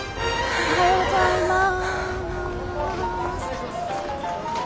おはようございます。